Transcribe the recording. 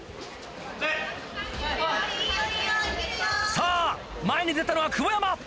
さぁ前に出たのは久保山。